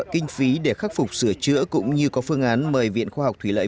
kinh phí để khắc phục sửa chữa cũng như có phương án mời viện khoa học thủy lợi